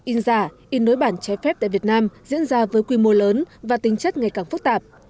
in giả in đối bản trái phép tại việt nam diễn ra với quy mô lớn và tính chất ngày càng phức tạp